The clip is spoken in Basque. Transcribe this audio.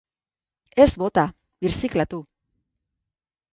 Ez bota, birziklatu!